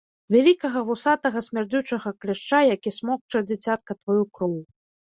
Вялікага вусатага смярдзючага кляшча, які смокча, дзіцятка, тваю кроў.